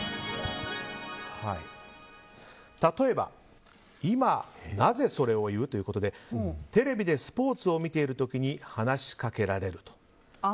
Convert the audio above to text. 例えば、今なぜそれを言う？ということでテレビでスポーツを見ている時に話しかけられる。